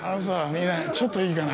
みんなちょっといいかな。